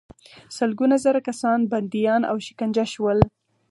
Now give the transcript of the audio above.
سلګونه زره کسان بندیان او شکنجه شول.